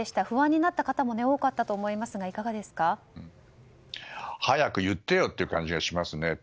不安になった方も多かったと思いますが早く言ってよという感じがしますね。